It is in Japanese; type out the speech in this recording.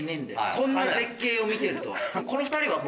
こんな絶景を見てると。